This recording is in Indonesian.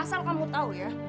asal kamu tahu ya